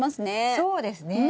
そうですねえ。